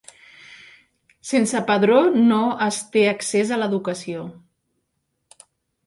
Sense padró no es té accés a l’educació.